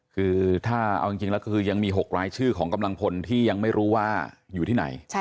คือถ้าเอาจริงแล้วคือยังมี๖รายชื่อของกำลังพลที่ยังไม่รู้ว่าอยู่ที่ไหน